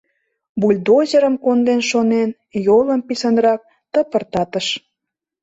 Бульдозерым конден шонен, йолым писынрак тыпыртатыш.